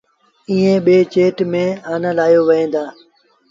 ائيٚݩ ٻيٚ چيٽ ميݩ آنآ لآوهيݩ دآ۔